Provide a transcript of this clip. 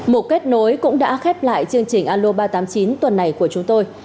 một kết nối cũng đã khép lại chương trình alo ba trăm tám mươi chín tuần này của chúng tôi